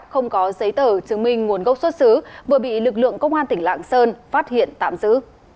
không có giấy tờ chứng minh nguồn gốc xuất xứ vừa bị lực lượng công an tỉnh lạng sơn phát hiện tạm giữ